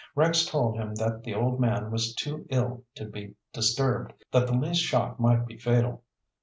Rex told him that the old man was too ill to be disturbed, that the least shock might be fatal.